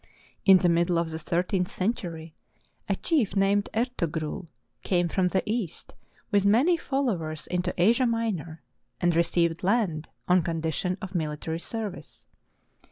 In the middle of the thir teenth century a chief named Ertogrul came from the East with many followers into Asia Minor, and received land on condition of military service.